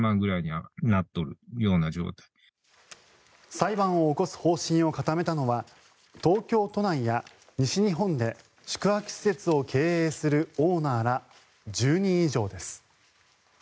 裁判を起こす方針を固めたのは東京都内や西日本で宿泊施設を経営するオーナーら１０人以上です。